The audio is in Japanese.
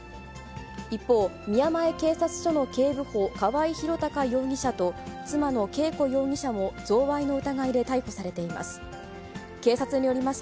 一方、宮前警察署の警部補、河合博貴容疑者と、妻の恵子容疑者も贈賄の疑いで逮捕されています。